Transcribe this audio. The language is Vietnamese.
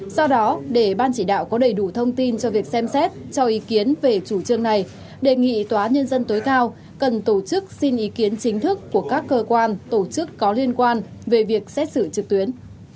do đó để ban chỉ đạo có đầy đủ thông tin cho việc xem xét cho ý kiến về chủ trương này đề nghị tòa nhân dân tối cao cần tổ chức xin ý kiến chính thức của các cơ quan tổ chức có liên quan về việc xét xử trực tuyến